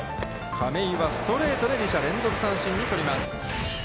亀井はストレートで２者連続三振に取ります。